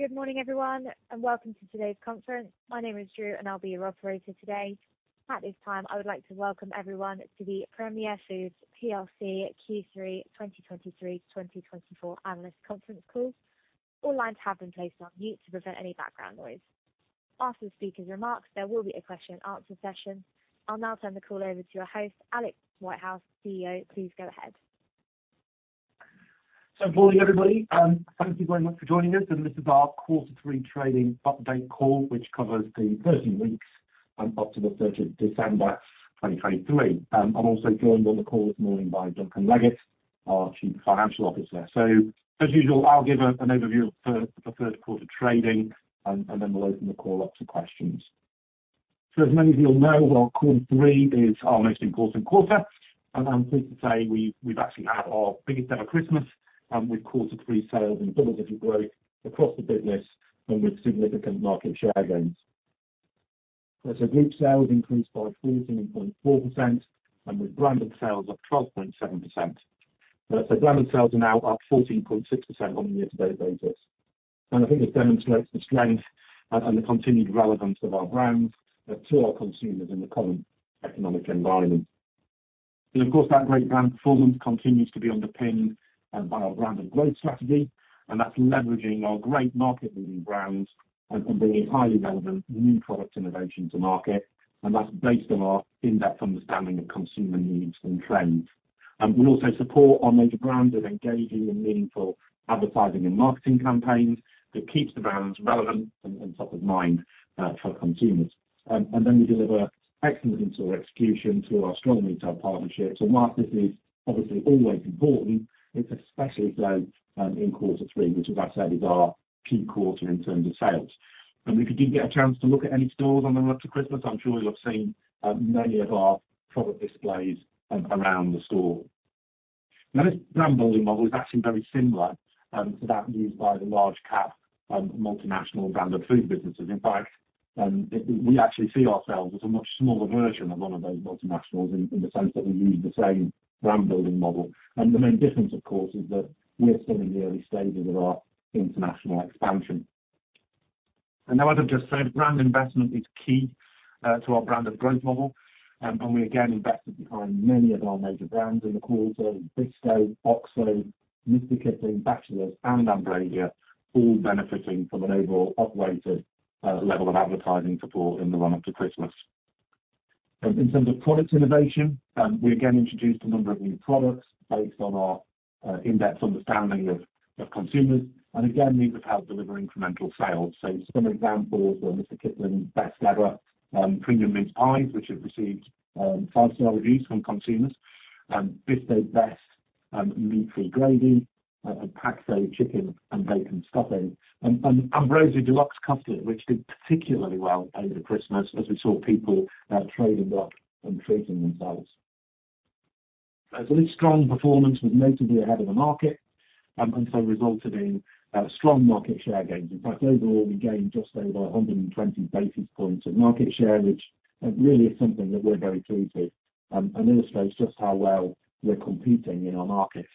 Good morning, everyone, and welcome to today's conference. My name is Drew, and I'll be your operator today. At this time, I would like to welcome everyone to the Premier Foods plc Q3 2023/2024 analyst conference call. All lines have been placed on mute to prevent any background noise. After the speaker's remarks, there will be a question and answer session. I'll now turn the call over to your host, Alex Whitehouse, CEO. Please go ahead. So good morning, everybody, thank you very much for joining us, and this is our quarter three trading update call, which covers the 13 weeks up to the 13th of December 2023. I'm also joined on the call this morning by Duncan Leggett, our Chief Financial Officer. So as usual, I'll give an overview of the first quarter trading and then we'll open the call up to questions. So as many of you will know, well, quarter three is our most important quarter, and I'm pleased to say we've actually had our biggest ever Christmas with quarter three sales and double-digit growth across the business and with significant market share gains. So group sales increased by 14.4% and with branded sales up 12.7%. Branded sales are now up 14.6% on a year-to-date basis. I think this demonstrates the strength and the continued relevance of our brands to our consumers in the current economic environment. Of course, that great brand performance continues to be underpinned by our Branded growth strategy, and that's leveraging our great market leading brands and bringing highly relevant new product innovation to market. That's based on our in-depth understanding of consumer needs and trends. We also support our major brands with engaging in meaningful advertising and marketing campaigns that keeps the brands relevant and top of mind for consumers. Then we deliver excellent in-store execution through our strong retail partnerships. And while this is obviously always important, it's especially so, in quarter three, which as I said, is our key quarter in terms of sales. And if you did get a chance to look at any stores on the run-up to Christmas, I'm sure you'll have seen, many of our product displays, around the store. Now, this brand building model is actually very similar, to that used by the large cap, multinational branded food businesses. In fact, we actually see ourselves as a much smaller version of one of those multinationals in the sense that we use the same brand building model. And the main difference, of course, is that we are still in the early stages of our international expansion. And now, as I've just said, brand investment is key, to our Branded Growth Model. And we again invested behind many of our major brands in the quarter, Bisto, Oxo, Mr Kipling, Batchelors, and Ambrosia, all benefiting from an overall uprated level of advertising support in the run-up to Christmas. In terms of product innovation, we again introduced a number of new products based on our in-depth understanding of consumers, and again, these have helped deliver incremental sales. So some examples are Mr Kipling's Best Ever premium mince pies, which have received five-star reviews from consumers, and Bisto Best meat-free gravy, and Paxo chicken and bacon stuffing, and Ambrosia Deluxe Custard, which did particularly well over the Christmas, as we saw people trading up and treating themselves. As this strong performance was notably ahead of the market, and so resulted in strong market share gains. In fact, overall, we gained just over 120 basis points of market share, which really is something that we're very pleased with, and illustrates just how well we're competing in our markets.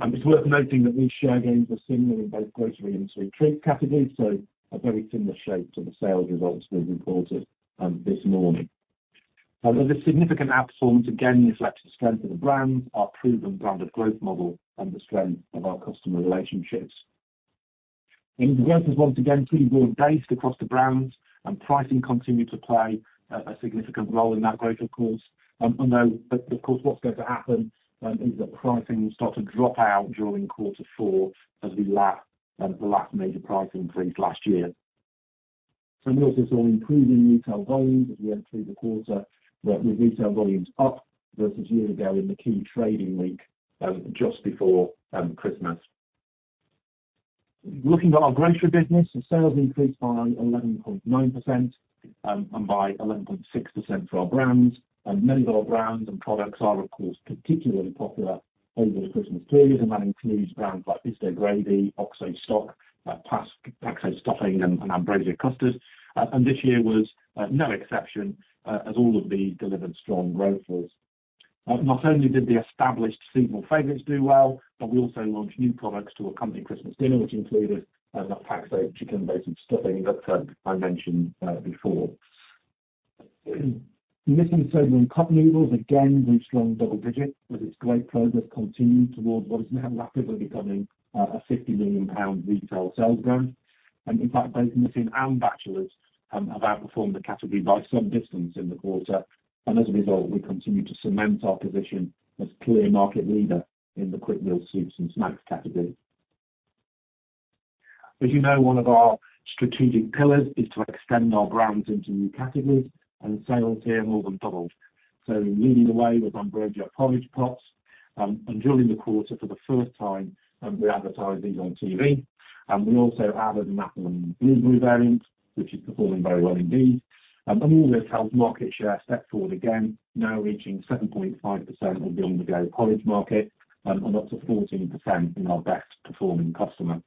It's worth noting that these share gains were similar in both grocery and food categories, so a very similar shape to the sales results we reported, this morning. This significant outperformance again reflects the strength of the brands, our proven Branded Growth Model, and the strength of our customer relationships. The growth is once again, pretty well-based across the brands and pricing continued to play a significant role in that growth, of course, although, but of course, what's going to happen, is that pricing will start to drop out during quarter four as we lap, the last major price increase last year. So we also saw improving retail volumes as we entered the quarter, with retail volumes up versus year ago in the key trading week just before Christmas. Looking at our grocery business, the sales increased by 11.9%, and by 11.6% for our brands. And many of our brands and products are, of course, particularly popular over the Christmas period, and that includes brands like Bisto gravy, Oxo stock, Paxo stuffing, and Ambrosia custard. And this year was no exception, as all of these delivered strong growth for us. Not only did the established seasonal favorites do well, but we also launched new products to accompany Christmas dinner, which included the Paxo chicken bacon stuffing that I mentioned before. Nissin Soba and Cup Noodles again reached strong double digits with its great progress continuing towards what is now rapidly becoming a 50 million pound retail sales brand. In fact, both Nissin and Batchelors have outperformed the category by some distance in the quarter. As a result, we continue to cement our position as clear market leader in the quick meal soups and snacks category. As you know, one of our strategic pillars is to extend our brands into new categories, and sales here more than doubled. Leading the way with Ambrosia porridge pots, and during the quarter for the first time, we advertised these on TV, and we also added an apple and blueberry variant, which is performing very well indeed. And all this helped market share step forward again, now reaching 7.5% of the on-the-go porridge market, and up to 14% in our best performing customer.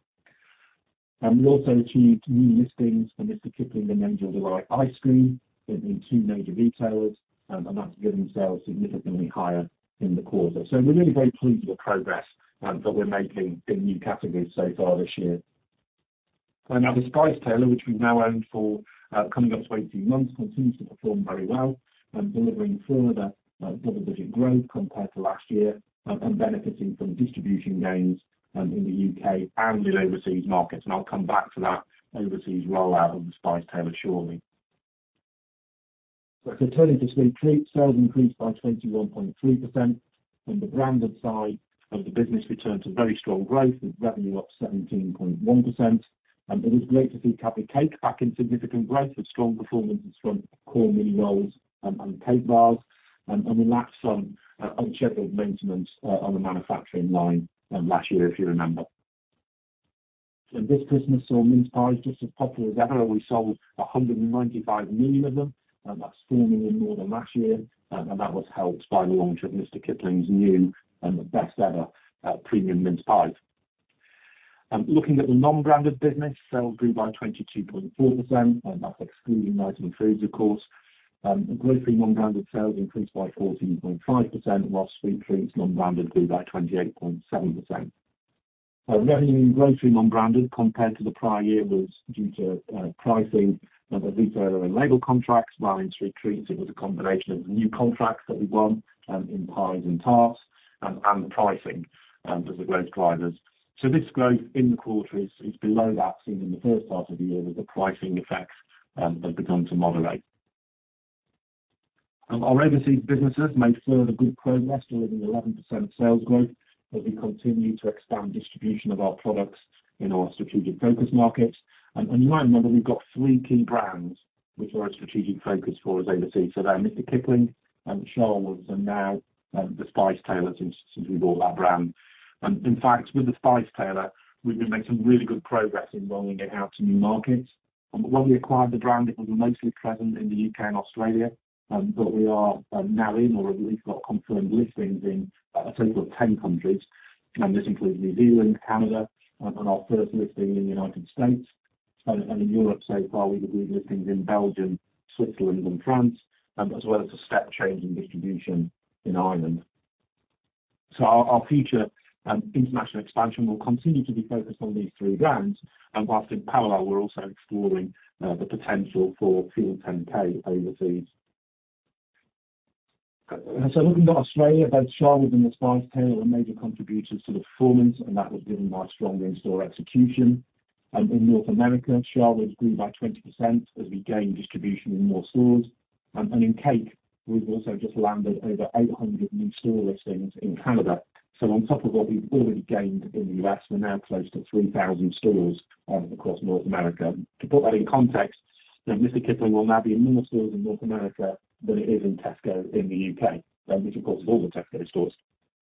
And we also achieved new listings for Mr Kipling and Angel Delight ice cream in two major retailers, and that's driven sales significantly higher in the quarter. So we're really very pleased with the progress that we're making in new categories so far this year. Well now, The Spice Tailor, which we've now owned for coming up to 18 months, continues to perform very well and delivering further double-digit growth compared to last year, and benefiting from distribution gains in the UK and in overseas markets. And I'll come back to that overseas rollout of The Spice Tailor shortly. So turning to sweet treats, sales increased by 21.3%. From the branded side of the business returned to very strong growth, with revenue up 17.1%. And it was great to see Cadbury Cake back in significant growth, with strong performances from core Mini Rolls and cake bars, and we lacked some unscheduled maintenance on the manufacturing line last year, if you remember. And this Christmas saw mince pies just as popular as ever. We sold 195 million of them, and that's 4 million more than last year. And that was helped by the launch of Mr Kipling's new and the Best Ever premium mince pie. Looking at the non-branded business, sales grew by 22.4%, and that's excluding Knighton Foods, of course. The grocery non-branded sales increased by 14.5%, while sweet treats non-branded grew by 28.7%. Revenue in grocery non-branded compared to the prior year was due to pricing and the retailer own label contracts. While in sweet treats, it was a combination of the new contracts that we won in pies and tarts, and the pricing as the growth drivers. So this growth in the quarter is below that seen in the first half of the year, with the pricing effects have begun to moderate. Our overseas businesses made further good progress, delivering 11% sales growth as we continue to expand distribution of our products in our strategic focus markets. You might remember, we've got three key brands which are a strategic focus for us overseas. So they are Mr Kipling, and Sharwood's and now, The Spice Tailor, since, since we bought that brand. And in fact, with The Spice Tailor, we've been making really good progress in rolling it out to new markets. And when we acquired the brand, it was mostly present in the UK and Australia, but we are, now in, or at least got confirmed listings in a total of 10 countries. And this includes New Zealand, Canada, and our first listing in the United States. And, and in Europe so far, we've agreed listings in Belgium, Switzerland, and France, as well as a step change in distribution in Ireland. So our, our future, international expansion will continue to be focused on these three brands, and whilst in parallel, we're also exploring, the potential for FUEL10K overseas. And so looking at Australia, both Mr Kipling and The Spice Tailor are major contributors to the performance, and that was driven by stronger in-store execution. And in North America, Mr Kipling grew by 20% as we gain distribution in more stores. And in cake, we've also just landed over 800 new store listings in Canada. So on top of what we've already gained in the U.S., we're now close to 3,000 stores across North America. To put that in context, that Mr Kipling will now be in more stores in North America than it is in Tesco in the U.K. Which, of course, is all the Tesco stores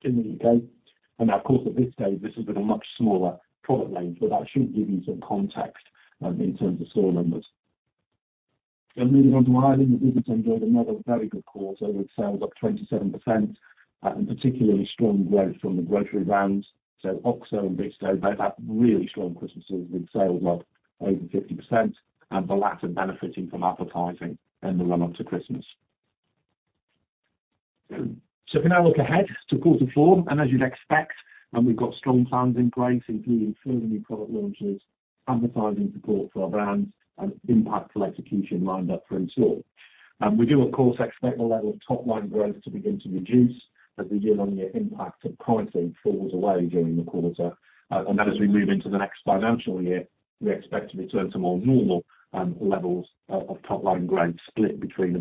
in the U.K. And of course, at this stage, this has been a much smaller product range, but that should give you some context in terms of store numbers. Moving on to Ireland, the business enjoyed another very good quarter, with sales up 27%, and particularly strong growth from the grocery brands. So Oxo and Bisto, they've had really strong Christmases, with sales up over 50%, and the latter benefiting from advertising in the run-up to Christmas. So if we now look ahead to quarter four, and as you'd expect, and we've got strong plans in place, including further new product launches, advertising support for our brands, and impactful execution lined up for in store. We do, of course, expect the level of top-line growth to begin to reduce as the year-on-year impact of pricing falls away during the quarter. And then as we move into the next financial year, we expect to return to more normal levels of top-line growth, split between a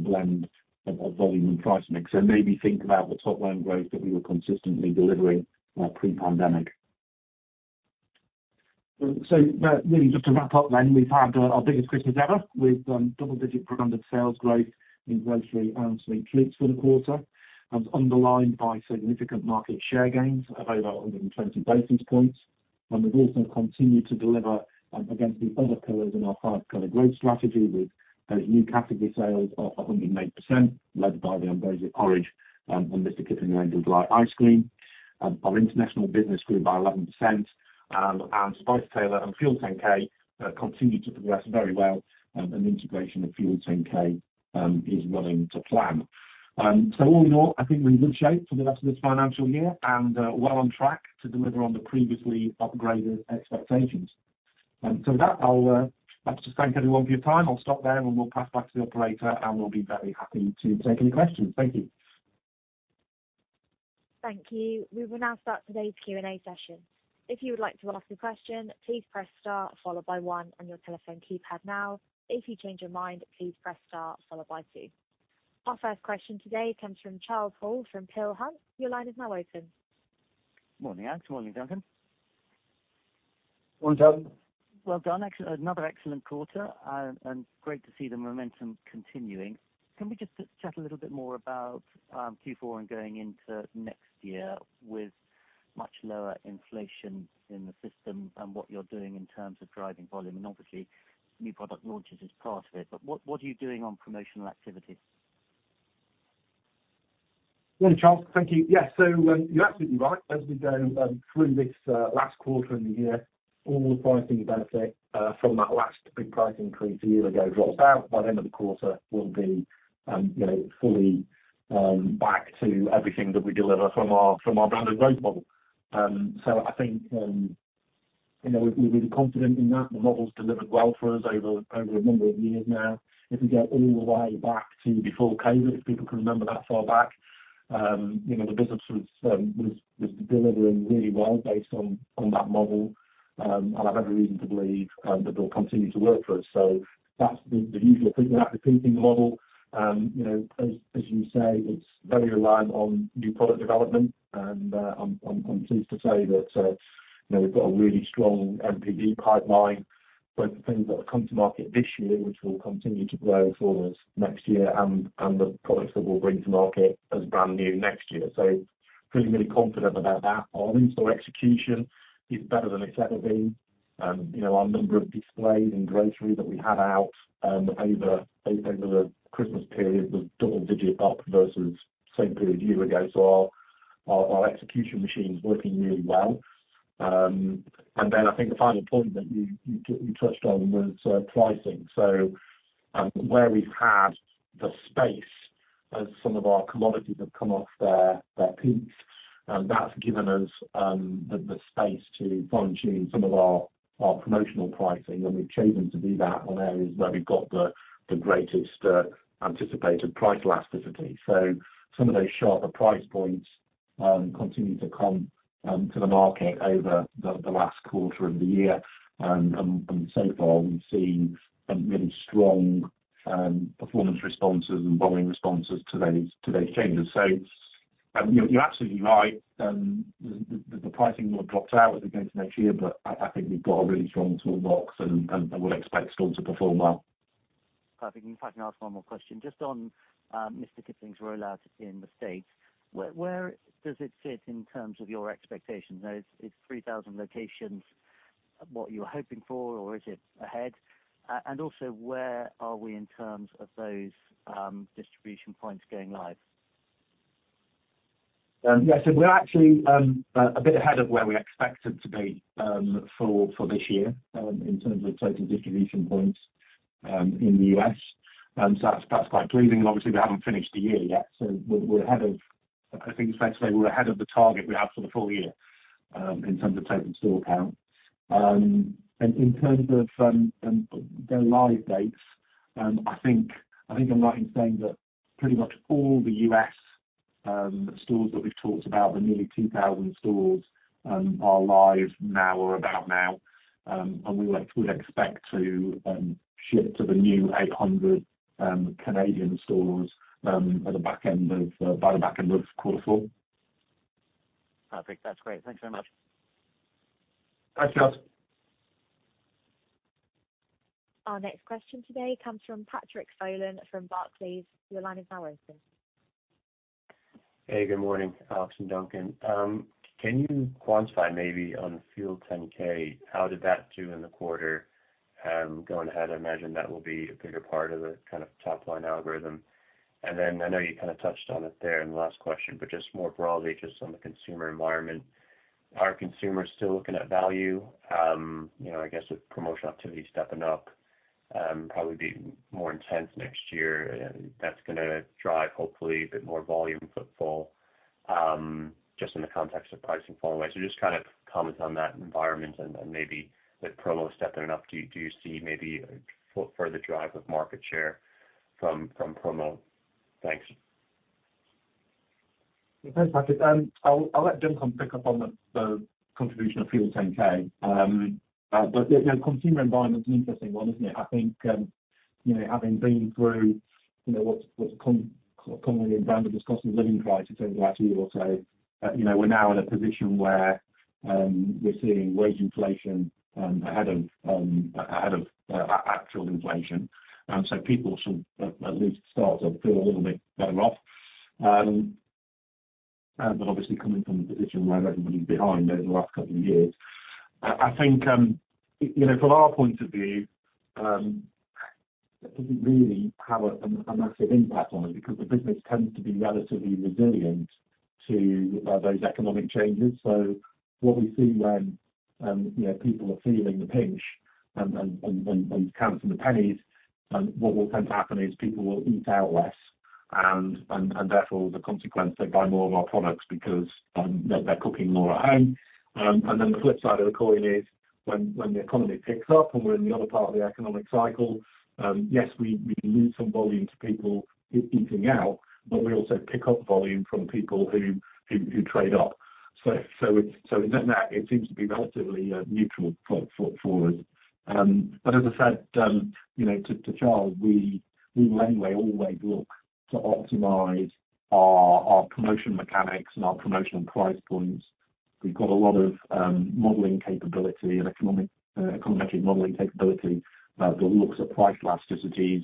blend of volume and price mix. So maybe think about the top line growth that we were consistently delivering pre-pandemic. So really just to wrap up then, we've had our biggest Christmas ever, with double-digit branded sales growth in grocery and sweet treats for the quarter. And underlined by significant market share gains of over 120 basis points. And we've also continued to deliver against the other pillars in our five pillar growth strategy, with new category sales of 108%, led by the Ambrosia porridge and Mr Kipling Angel Delight ice cream. Our international business grew by 11%. And Spice Tailor and FUEL10K continued to progress very well. And integration of FUEL10K is running to plan. So all in all, I think we're in good shape for the rest of this financial year, and well on track to deliver on the previously upgraded expectations. And so with that, I'll like to thank everyone for your time. I'll stop there, and we'll pass back to the operator, and we'll be very happy to take any questions. Thank you. Thank you. We will now start today's Q&A session. If you would like to ask a question, please press star followed by one on your telephone keypad now. If you change your mind, please press star followed by two. Our first question today comes from Charles Hall, from Peel Hunt. Your line is now open. Morning, Alex. Morning, Duncan. Morning, Charles. Well done. Excellent, another excellent quarter, and, and great to see the momentum continuing. Can we just chat a little bit more about Q4 and going into next year with much lower inflation in the system and what you're doing in terms of driving volume? And obviously, new product launches is part of it, but what, what are you doing on promotional activities? Yeah, Charles, thank you. Yes. So, you're absolutely right. As we go through this last quarter in the year, all the pricing benefit from that last big price increase a year ago drops out. By the end of the quarter, we'll be, you know, fully back to everything that we deliver from our, from our branded growth model. So I think you know, we're really confident in that. The model's delivered well for us over a number of years now. If we go all the way back to before COVID, if people can remember that far back, you know, the business was delivering really well based on that model. And I have every reason to believe that it'll continue to work for us. So that's the usual repeating model. You know, as you say, it's very reliant on new product development. And, I'm pleased to say that, you know, we've got a really strong NPD pipeline, both the things that have come to market this year, which will continue to grow for us next year, and the products that we'll bring to market as brand new next year. So feeling really confident about that. Our in-store execution is better than it's ever been. You know, our number of displays in grocery that we had out, over the Christmas period was double digits up versus the same period a year ago. So our execution machine is working really well. And then I think the final point that you touched on was, pricing. So, where we've had the space as some of our commodities have come off their peaks, that's given us the space to fine-tune some of our promotional pricing, and we've chosen to do that on areas where we've got the greatest anticipated price elasticity. So some of those sharper price points continue to come to the market over the last quarter of the year. And so far, we've seen some really strong performance responses and volume responses to those changes. So, you're absolutely right. The pricing will drop out as we go into next year, but I think we've got a really strong toolbox and I would expect stores to perform well. Perfect. If I can ask one more question, just on Mr Kipling's rollout in the States, where does it fit in terms of your expectations? You know, is 3,000 locations what you were hoping for, or is it ahead? And also, where are we in terms of those distribution points going live? Yes, so we're actually a bit ahead of where we expected to be for this year in terms of total distribution points in the U.S. So that's quite pleasing, and obviously we haven't finished the year yet, so we're ahead of-- I think it's fair to say we're ahead of the target we have for the full year in terms of total store count. And in terms of the live dates, I think I'm right in saying that pretty much all the U.S. stores that we've talked about, the nearly 2,000 stores, are live now or about now. And we would expect to ship to the new 800 Canadian stores by the back end of quarter four. Perfect. That's great. Thank you so much. Thanks, Charles. Our next question today comes from Patrick Folan from Barclays. Your line is now open. Hey, good morning, Alex and Duncan. Can you quantify maybe on the FUEL10K, how did that do in the quarter? Going ahead, I imagine that will be a bigger part of the kind of top-line algorithm. And then I know you kind of touched on it there in the last question, but just more broadly, just on the consumer environment, are consumers still looking at value? You know, I guess with promotional activity stepping up, probably be more intense next year, and that's gonna drive hopefully a bit more volume footfall, just in the context of pricing falling away. So just kind of comment on that environment and, and maybe with promo stepping up, do you, do you see maybe a foot further drive of market share from, from promo? Thanks. Thanks, Patrick. I'll let Duncan pick up on the contribution of FUEL10K. But the consumer environment is an interesting one, isn't it? I think, you know, having been through, you know, what's commonly branded as cost of living crisis over the last year or so, you know, we're now in a position where we're seeing wage inflation ahead of actual inflation. So people sort of at least start to feel a little bit better off. But obviously coming from a position where everybody's behind over the last couple of years, I think, you know, from our point of view, it doesn't really have a massive impact on us because the business tends to be relatively resilient to those economic changes. So what we see when, you know, people are feeling the pinch and counting the pennies, what will tend to happen is people will eat out less, and therefore, the consequence, they buy more of our products because, they're cooking more at home. And then the flip side of the coin is when the economy picks up and we're in the other part of the economic cycle, yes, we lose some volume to people eating out, but we also pick up volume from people who trade up. So it's, in net net, it seems to be relatively neutral for us. But as I said, you know, to Charles, we anyway always look to optimize our promotion mechanics and our promotional price points. We've got a lot of modeling capability and economic, economic modeling capability that looks at price elasticities,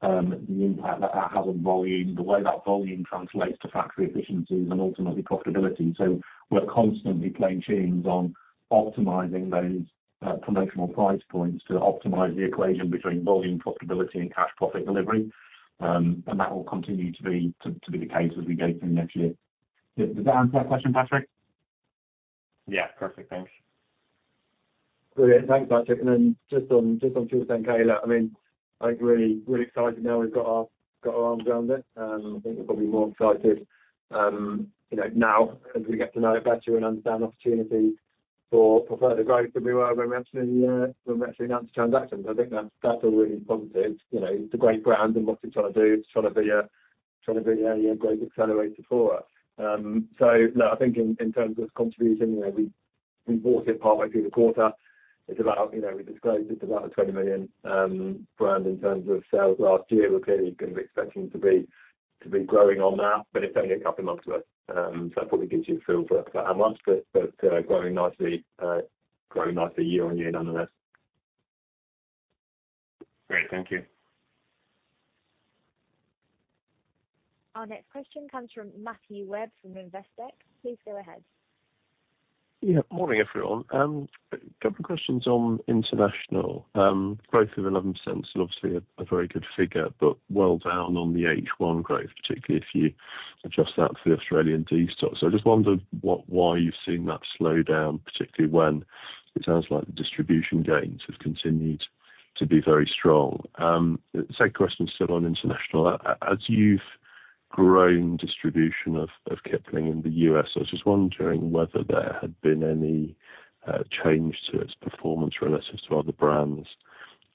the impact that that has on volume, the way that volume translates to factory efficiencies and ultimately profitability. So we're constantly playing tunes on optimizing those promotional price points to optimize the equation between volume, profitability, and cash profit delivery. That will continue to be, to, to be the case as we go through next year. Does that answer that question, Patrick? Yeah, perfect. Thanks. Great, thanks, Patrick. And then just on FUEL10K, I'm really, really excited now we've got our arms around it, and I think we're probably more excited, you know, now as we get to know it better and understand the opportunity for further growth than we were when we actually announced the transaction. I think that's all really positive. You know, it's a great brand, and what they're trying to do, it's trying to be a great accelerator for us. So, no, I think in terms of contribution, you know, we bought it partway through the quarter. It's about, you know, we disclosed it's about a 20 million brand in terms of sales last year. We're clearly gonna be expecting to be growing on that, but it's only a couple of months to us. So that probably gives you a feel for how much, but growing nicely, growing nicely year on year nonetheless. Great. Thank you. Our next question comes from Matthew Webb, from Investec. Please go ahead. Yeah, morning, everyone. A couple of questions on international. Growth of 11% is obviously a very good figure, but well down on the H1 growth, particularly if you adjust that for the Australian destock. So I just wondered what, why you've seen that slow down, particularly when it sounds like the distribution gains have continued to be very strong. Second question, still on international, as you've grown distribution of Kipling in the U.S., I was just wondering whether there had been any change to its performance relative to other brands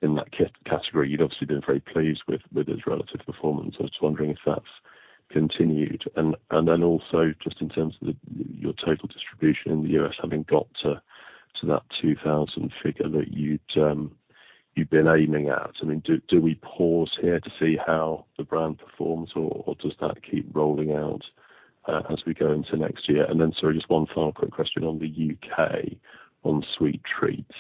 in that category? You'd obviously been very pleased with its relative performance. I was just wondering if that's continued. Then also, just in terms of your total distribution in the U.S., having got to that 2,000 figure that you've been aiming at, I mean, do we pause here to see how the brand performs, or does that keep rolling out as we go into next year? Sorry, just one final quick question on the U.K., on sweet treats.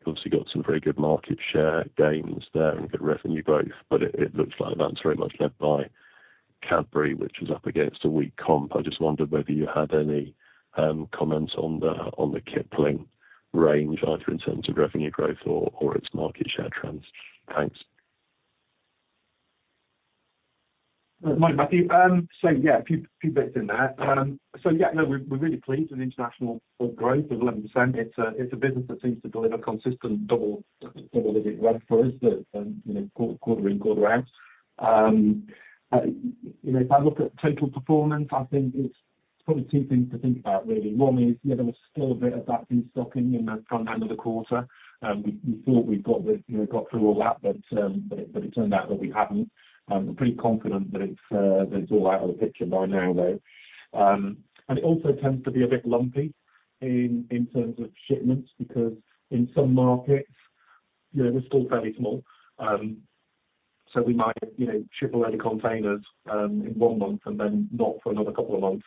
You've obviously got some very good market share gains there and good revenue growth, but it looks like that's very much led by Cadbury, which was up against a weak comp. I just wondered whether you had any comments on the Kipling range, either in terms of revenue growth or its market share trends. Thanks. Morning, Matthew. So yeah, a few bits in there. So yeah, no, we're really pleased with international growth of 11%. It's a business that seems to deliver consistent double-digit growth for us, but, you know, quarter in, quarter out. You know, if I look at total performance, I think it's probably two things to think about really. One is, you know, there was still a bit of that destocking in the front end of the quarter, and we thought we'd got the, you know, got through all that, but, but it turned out that we hadn't. We're pretty confident that it's that it's all out of the picture by now, though. And it also tends to be a bit lumpy in terms of shipments, because in some markets, you know, we're still fairly small. So we might, you know, ship a load of containers in one month and then not for another couple of months,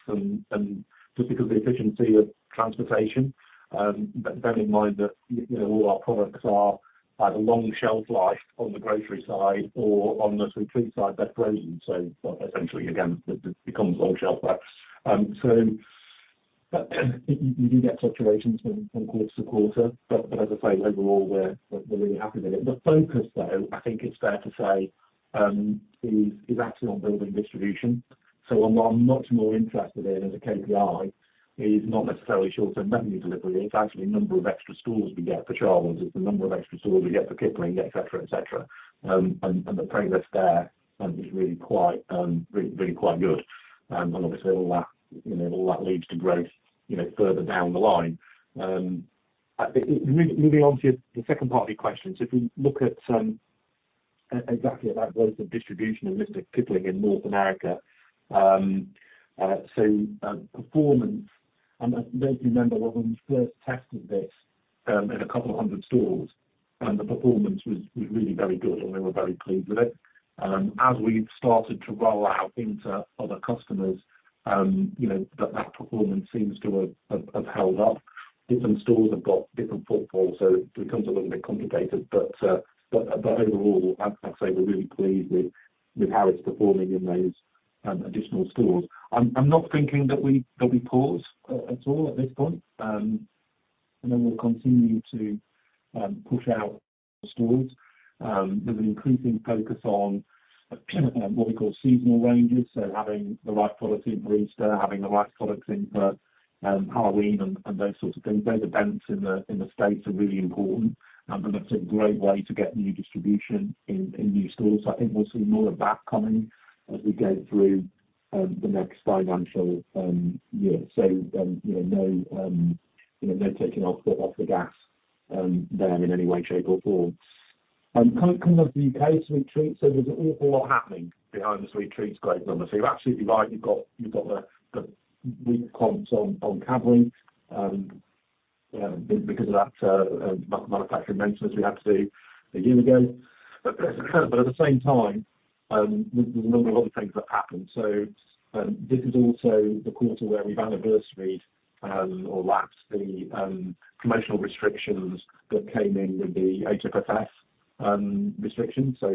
and just because of the efficiency of transportation. But bearing in mind that, you know, all our products are either long shelf life on the grocery side or on the sweet treat side, they're frozen. So essentially, again, it becomes long shelf life. So you do get fluctuations from quarter to quarter, but as I say, overall, we're really happy with it. The focus, though, I think it's fair to say, is actually on building distribution. So what I'm much more interested in as a KPI is not necessarily short-term revenue delivery, it's actually the number of extra stores we get for Charles, it's the number of extra stores we get for Kipling, et cetera, et cetera. And the progress there is really quite, really, really quite good. And obviously all that, you know, all that leads to growth, you know, further down the line. Moving on to the second part of your question, so if we look at exactly at that growth of distribution and listing Kipling in North America, so performance, and I vaguely remember when we first tested this in a couple of 100 stores, and the performance was really very good, and we were very pleased with it. As we've started to roll out into other customers, you know, that performance seems to have held up. Different stores have got different footfalls, so it becomes a little bit complicated. But overall, I'd say we're really pleased with how it's performing in those additional stores. I'm not thinking that we pause at all at this point. And then we'll continue to push out stores with an increasing focus on what we call seasonal ranges. So having the right products in for Easter, having the right products in for Halloween and those sorts of things. Those events in the States are really important, and that's a great way to get new distribution in new stores. So I think we'll see more of that coming as we go through the next financial year. So, you know, no taking off the gas there in any way, shape, or form. Coming to the U.K. sweet treats, so there's an awful lot happening behind the sweet treats growth number. So you're absolutely right, you've got the weak comps on Cadbury. You know, because of that manufacturing maintenance we had to do a year ago. But at the same time, there's been a lot of things that happened. So, this is also the quarter where we've anniversaried or lapsed the promotional restrictions that came in with the HFSS restrictions, so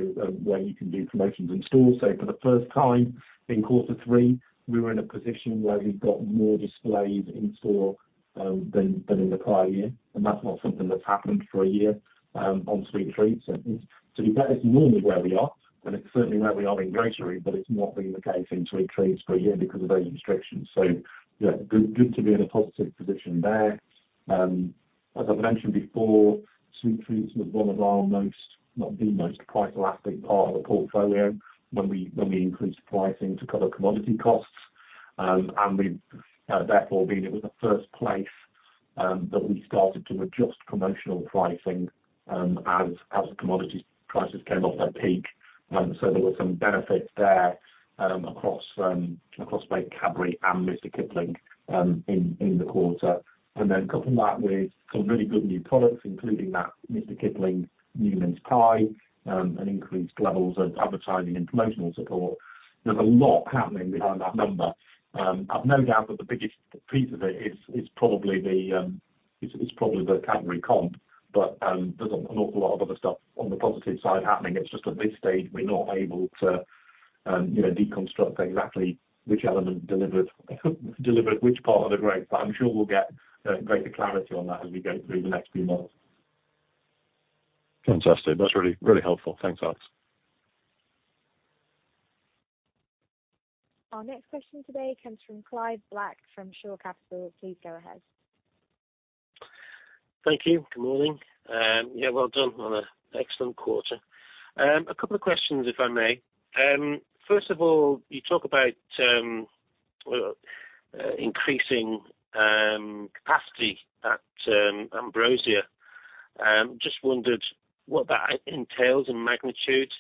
where you can do promotions in stores. So for the first time in quarter three, we were in a position where we've got more displays in store than in the prior year, and that's not something that's happened for a year on sweet treats. So that is normally where we are, and it's certainly where we are in grocery, but it's not been the case in sweet treats for a year because of those restrictions. So, yeah, good to be in a positive position there. As I mentioned before, sweet treats was one of our most, not the most price elastic part of the portfolio, when we increased pricing to cover commodity costs. And we've therefore, it was the first place that we started to adjust promotional pricing as the commodity prices came off their peak. And so there were some benefits there, across both Cadbury and Mr Kipling, in the quarter. And then couple that with some really good new products, including that Mr Kipling new mince pie, and increased levels of advertising and promotional support. There's a lot happening behind that number. I've no doubt that the biggest piece of it is probably the Cadbury comp, but there's an awful lot of other stuff on the positive side happening. It's just at this stage, we're not able to, you know, deconstruct exactly which element delivered which part of the growth, but I'm sure we'll get greater clarity on that as we go through the next few months. Fantastic. That's really, really helpful. Thanks, Alex. Our next question today comes from Clive Black, from Shore Capital. Please go ahead. Thank you. Good morning. Yeah, well done on an excellent quarter. A couple of questions, if I may. First of all, you talk about increasing capacity at Ambrosia. Just wondered what that entails in magnitude,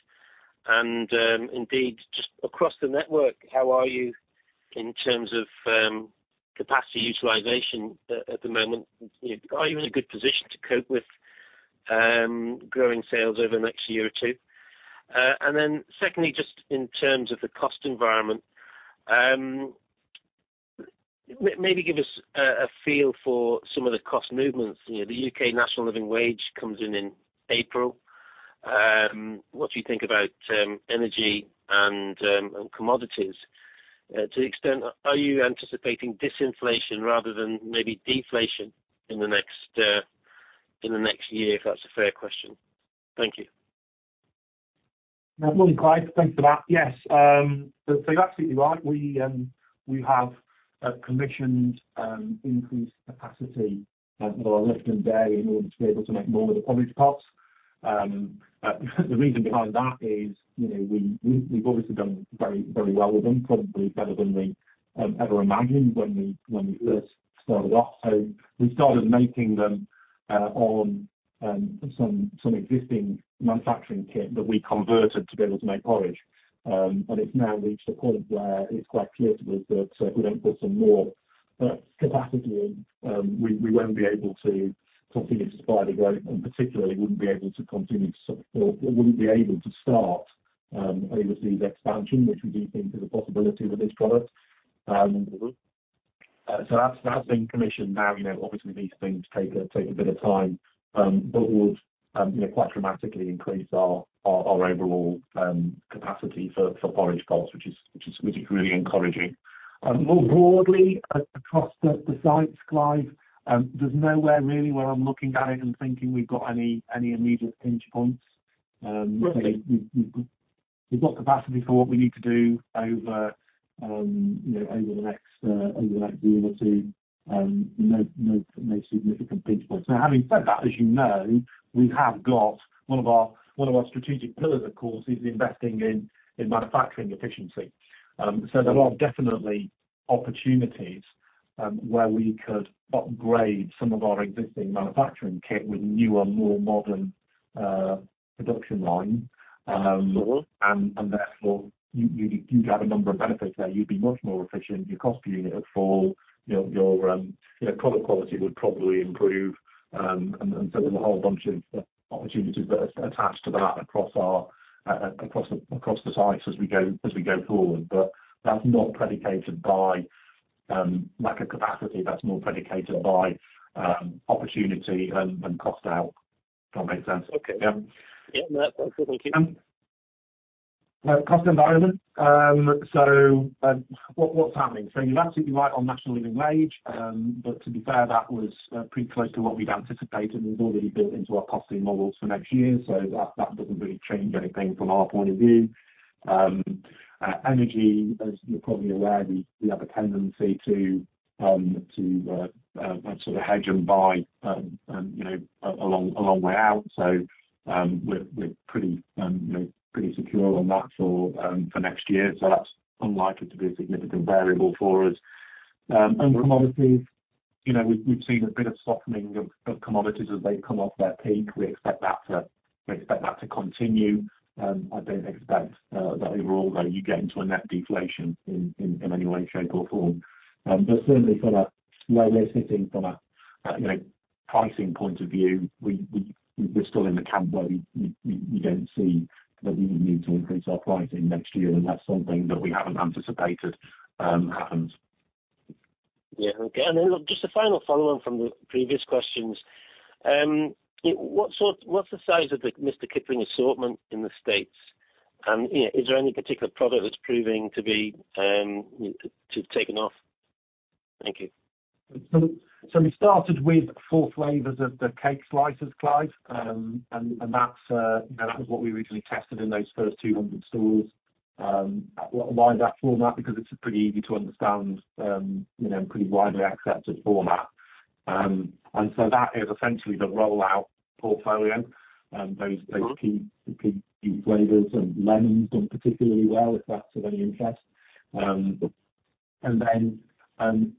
and indeed, just across the network, how are you in terms of capacity utilization at the moment? Are you in a good position to cope with growing sales over the next year or two? And then secondly, just in terms of the cost environment, maybe give us a feel for some of the cost movements. You know, the UK National Living Wage comes in in April. What do you think about energy and commodities? To the extent, are you anticipating disinflation rather than maybe deflation in the next, in the next year, if that's a fair question? Thank you. Yeah, morning, Clive. Thanks for that. Yes, so you're absolutely right. We have commissioned increased capacity at our Lifton site in order to be able to make more of the porridge pots. The reason behind that is, you know, we've obviously done very, very well with them, probably better than we ever imagined when we first started off. So we started making them on some existing manufacturing kit that we converted to be able to make porridge. And it's now reached a point where it's quite clear to us that if we don't put some more capacity in, we won't be able to continue to supply the growth and particularly wouldn't be able to continue to support or wouldn't be able to start overseas expansion, which we do think is a possibility with this product. So that's been commissioned now, you know, obviously, these things take a bit of time, but would you know, quite dramatically increase our overall capacity for porridge pots, which is really encouraging. More broadly, across the sites, Clive, there's nowhere really where I'm looking at it and thinking we've got any immediate pinch points. Right. We've got capacity for what we need to do over, you know, over the next year or two, no significant pinch points. Now, having said that, as you know, we have got one of our strategic pillars, of course, is investing in manufacturing efficiency. So there are definitely opportunities where we could upgrade some of our existing manufacturing kit with newer, more modern production lines. Sure. Therefore, you do have a number of benefits there. You'd be much more efficient, your cost per unit would fall, you know, product quality would probably improve. So there's a whole bunch of opportunities that are attached to that across our sites as we go forward. But that's not predicated by lack of capacity. That's more predicated by opportunity and cost out. Does that make sense? Okay, yeah. Yeah, that's it. Thank you. Cost environment. So, what's happening? So you're absolutely right on National Living Wage, but to be fair, that was pretty close to what we'd anticipated, and already built into our costing models for next year. So that doesn't really change anything from our point of view. Energy, as you're probably aware, we have a tendency to sort of hedge and buy, you know, a long way out. So, we're pretty secure on that for next year. So that's unlikely to be a significant variable for us. And commodities, you know, we've seen a bit of softening of commodities as they come off their peak. We expect that to continue. I don't expect that overall, though, you get into a net deflation in any way, shape, or form. But certainly from where we're sitting, from a pricing point of view, you know, we're still in the camp where we don't see that we need to increase our pricing next year, and that's something that we haven't anticipated happens. Yeah, okay. And then just a final follow-on from the previous questions. What's sort, what's the size of the Mr Kipling assortment in the States? And, you know, is there any particular product that's proving to be, to, to have taken off? Thank you. So we started with four flavors of the cake slices, Clive, and that's, you know, that was what we originally tested in those first 200 stores. Why that format? Because it's pretty easy to understand, you know, pretty widely accepted format. And so that is essentially the rollout portfolio, those key flavors, and lemon done particularly well, if that's of any interest. And then,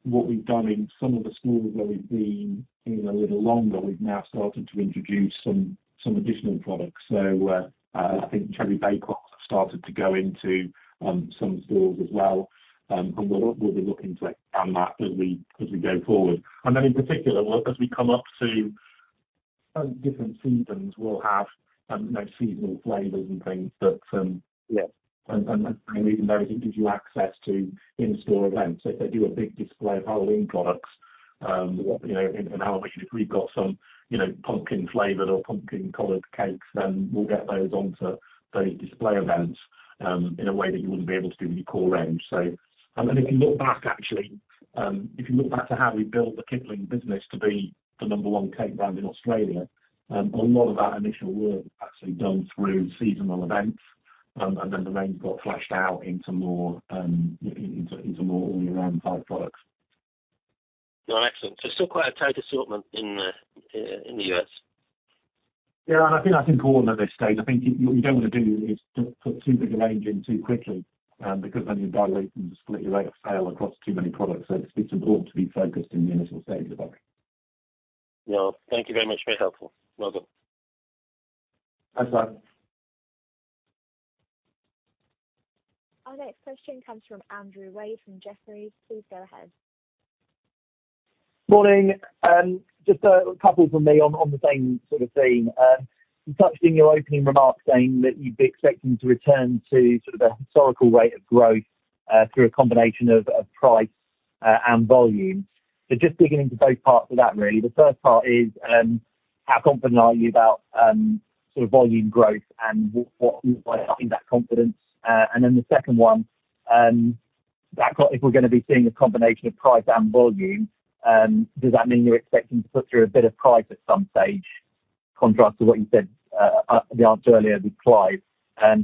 what we've done in some of the stores where we've been in a little longer, we've now started to introduce some additional products. So, I think Cherry Bakewell started to go into some stores as well. And we'll be looking to expand that as we go forward. And then in particular, we'll, as we come up to different seasons, we'll have, you know, seasonal flavors and things that, yes, and even those it gives you access to in-store events. If they do a big display of Halloween products, you know, and if we've got some, you know, pumpkin flavored or pumpkin colored cakes, then we'll get those onto the display events, in a way that you wouldn't be able to do in your core range. And then if you look back, actually, if you look back to how we built the Kipling business to be the number one cake brand in Australia, a lot of that initial work was actually done through seasonal events, and then the range got fleshed out into more all year round type products. Well, excellent. So still quite a tight assortment in the U.S.? Yeah, I think that's important at this stage. I think what you don't want to do is to put too big a range in too quickly, because then you dilute and split your rate of sale across too many products. So it's important to be focused in the initial stages of that. Well, thank you very much. Very helpful. Well done. Thanks, bye. Our next question comes from Andrew Wade, from Jefferies. Please go ahead. Morning, just a couple from me on, on the same sort of theme. You touched in your opening remarks saying that you'd be expecting to return to sort of a historical rate of growth, through a combination of, of price, and volume. So just digging into both parts of that, really. The first part is, how confident are you about, sort of volume growth and what, what might be that confidence? And then the second one, if we're gonna be seeing a combination of price and volume, does that mean you're expecting to put through a bit of price at some stage, contrast to what you said, the answer earlier with Clive?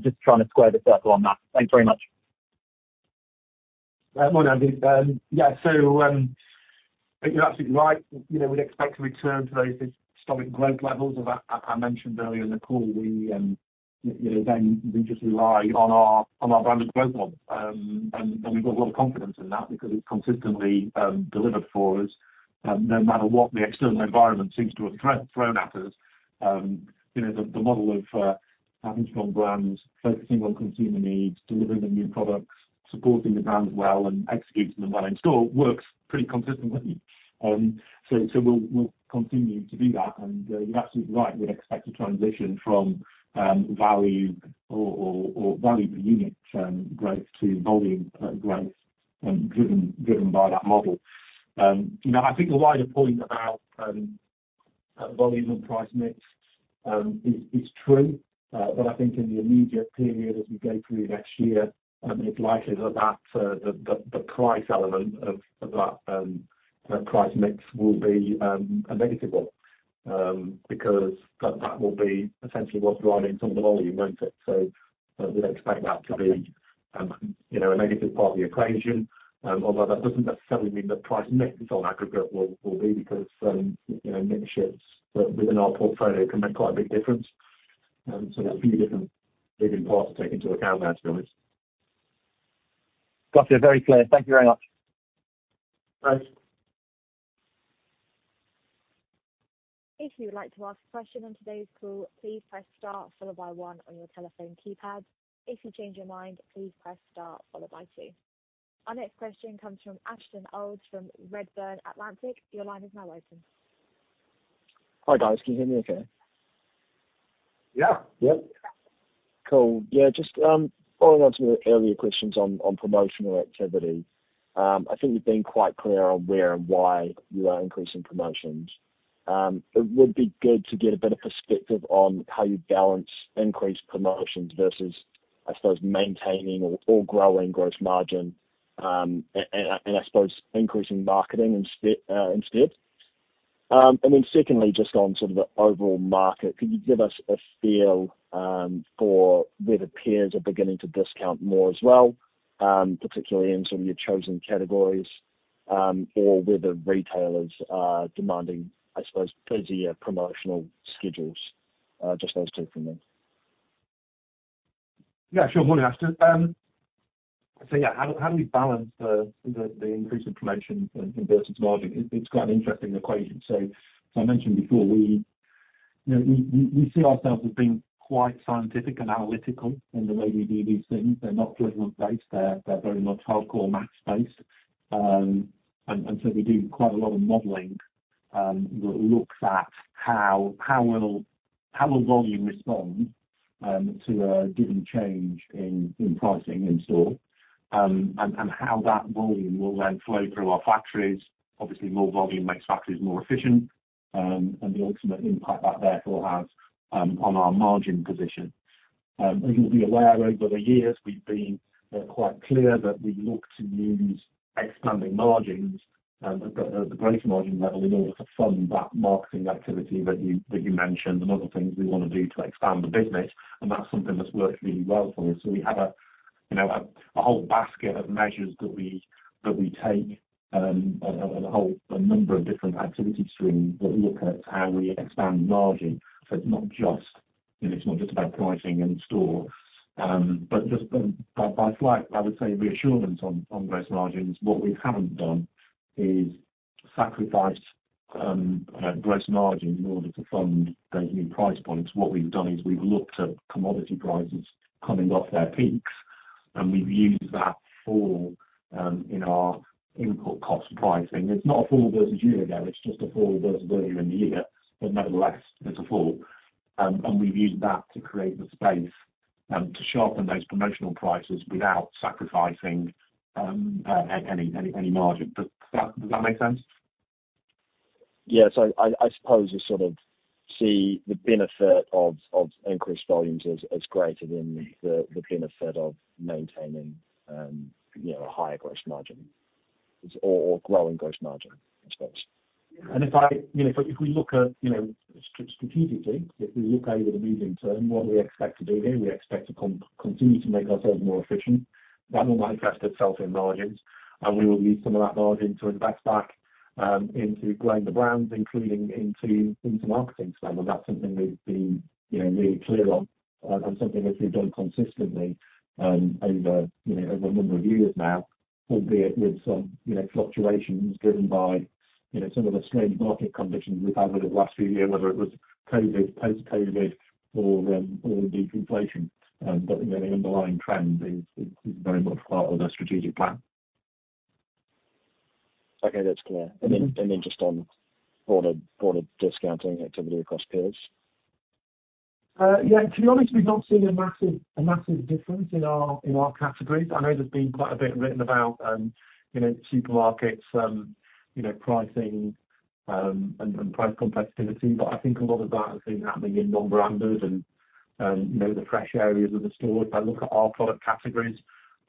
Just trying to square the circle on that. Thanks very much. Morning, Andy. Yeah, so, you're absolutely right. You know, we'd expect to return to those historic growth levels, as I mentioned earlier in the call, we, you know, then we just rely on our, on our branded growth model. And we've got a lot of confidence in that because it's consistently delivered for us, no matter what the external environment seems to have thrown at us. You know, the model of having strong brands, focusing on consumer needs, delivering the new products, supporting the brands well, and executing them well in store, works pretty consistently. So we'll continue to do that. And you're absolutely right, we'd expect to transition from value or value per unit growth to volume growth driven by that model. You know, I think the wider point about volume and price mix is true, but I think in the immediate period, as we go through next year, it's likely that the price element of that, the price mix will be a negative one. Because that will be essentially what's driving some of the volume, won't it? So we'd expect that to be, you know, a negative part of the equation, although that doesn't necessarily mean the price mix on aggregate will be because, you know, mix shifts within our portfolio can make quite a big difference. So there are a few different moving parts to take into account there, to be honest. Got you. Very clear. Thank you very much. Thanks. If you would like to ask a question on today's call, please press star followed by one on your telephone keypad. If you change your mind, please press star followed by two. Our next question comes from Ashton Olds, from Redburn Atlantic. Your line is now open. Hi, guys. Can you hear me okay? Yeah. Yep. Cool. Yeah, just following on to the earlier questions on promotional activity, I think you've been quite clear on where and why you are increasing promotions. It would be good to get a better perspective on how you balance increased promotions versus, I suppose, maintaining or growing gross margin, and I suppose increasing marketing instead, instead. And then secondly, just on sort of the overall market, could you give us a feel for whether peers are beginning to discount more as well, particularly in some of your chosen categories, or whether retailers are demanding, I suppose, busier promotional schedules? Just those two from me. Yeah, sure. Morning, Ashton. So yeah, how do we balance the increase in promotion versus margin? It's quite an interesting equation. So, as I mentioned before, we, you know, we see ourselves as being quite scientific and analytical in the way we do these things. They're not judgment based, they're very much hardcore math based. And so we do quite a lot of modeling that looks at how volume will respond to a given change in pricing in store, and how that volume will then flow through our factories. Obviously, more volume makes factories more efficient, and the ultimate impact that therefore has on our margin position. And you'll be aware, over the years, we've been we're quite clear that we look to use expanding margins at the gross margin level in order to fund that marketing activity that you mentioned, and other things we want to do to expand the business, and that's something that's worked really well for us. So we have, you know, a whole basket of measures that we take, and a number of different activity streams that look at how we expand margin. So it's not just, you know, it's not just about pricing and cost, but just a slight, I would say, reassurance on gross margins, what we haven't done is sacrifice gross margin in order to fund those new price points. What we've done is we've looked at commodity prices coming off their peaks, and we've used that fall in our input cost pricing. It's not a fall versus year ago, it's just a fall versus earlier in the year, but nevertheless, it's a fall. And we've used that to create the space to sharpen those promotional prices without sacrificing any margin. But does that make sense? Yes, I suppose you sort of see the benefit of increased volumes as greater than the benefit of maintaining, you know, a higher gross margin, or growing gross margin, I suppose. If I, you know, if we look at, you know, strategically, if we look over the medium term, what we expect to do here, we expect to continue to make ourselves more efficient. That will manifest itself in margins, and we will use some of that margin to invest back into growing the brands, including into marketing spend. That's something we've been, you know, really clear on, and something that we've done consistently over, you know, over a number of years now, albeit with some, you know, fluctuations driven by, you know, some of the strange market conditions we've had over the last few years, whether it was COVID, post-COVID, or indeed inflation. But, you know, the underlying trend is very much part of the strategic plan. Okay, that's clear. Mm-hmm. And then just on broader discounting activity across peers? Yeah, to be honest, we've not seen a massive difference in our categories. I know there's been quite a bit written about, you know, supermarkets, you know, pricing, and price competitiveness, but I think a lot of that has been happening in non-branded and, you know, the fresh areas of the store. If I look at our product categories,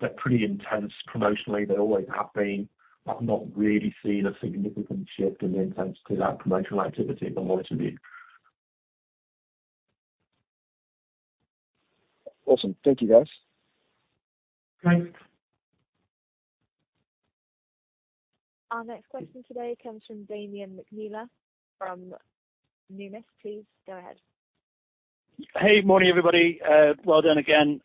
they're pretty intense promotionally. They always have been. I've not really seen a significant shift in the intensity of that promotional activity, but monitor it. Awesome. Thank you, guys. Thanks. Our next question today comes from Damian McNeela from Numis. Please, go ahead. Hey, morning, everybody. Well done again.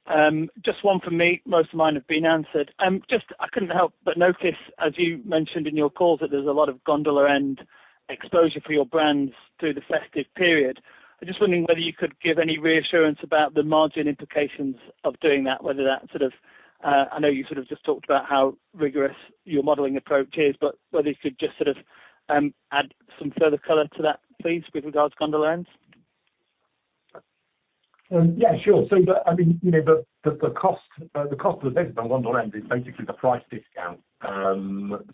Just one from me. Most of mine have been answered. Just, I couldn't help but notice, as you mentioned in your call, that there's a lot of gondola end exposure for your brands through the festive period. I'm just wondering whether you could give any reassurance about the margin implications of doing that, whether that sort of, I know you sort of just talked about how rigorous your modeling approach is, but whether you could just sort of, add some further color to that, please, with regards to gondola ends? Yeah, sure. So the, I mean, you know, the cost of the business on gondola ends is basically the price discount.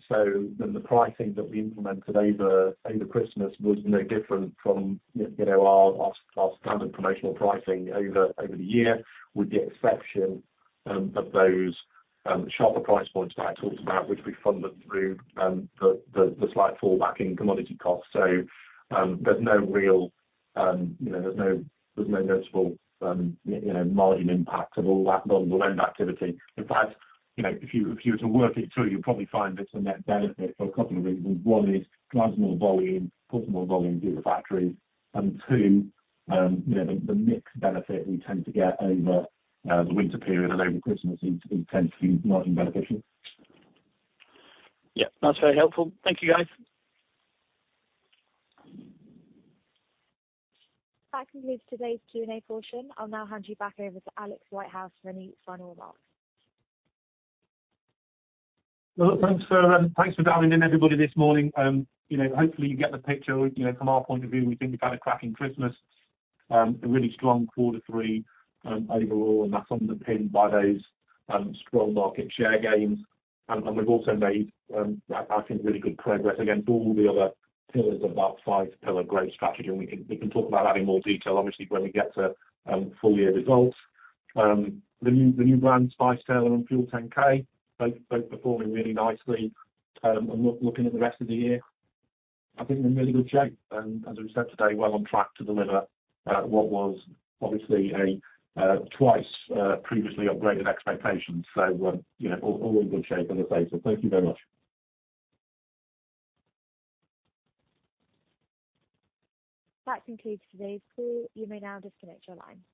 So the pricing that we implemented over Christmas was no different from, you know, our standard promotional pricing over the year, with the exception of those sharper price points that I talked about, which we funded through the slight fall back in commodity costs. So, there's no real, you know, noticeable margin impact of all that gondola end activity. In fact, you know, if you were to work it through, you'd probably find it's a net benefit for a couple of reasons. One is, drives more volume, puts more volume through the factory, and two, you know, the mix benefit we tend to get over the winter period and over Christmas seems to be intensely margin beneficial. Yeah, that's very helpful. Thank you, guys. That concludes today's Q&A portion. I'll now hand you back over to Alex Whitehouse for any final remarks. Well, thanks for dialing in everybody this morning. You know, hopefully, you get the picture. You know, from our point of view, we think we've had a cracking Christmas, a really strong quarter three, overall, and that's underpinned by those strong market share gains. And we've also made, I think, really good progress against all the other pillars of that five-pillar growth strategy, and we can talk about that in more detail, obviously, when we get to full year results. The new brands, Spice Tailor and FUEL10K, both performing really nicely. And looking at the rest of the year, I think we're in really good shape, and as we said today, well on track to deliver what was obviously a twice previously upgraded expectations. You know, all in good shape, I would say, so thank you very much. That concludes today's call. You may now disconnect your line.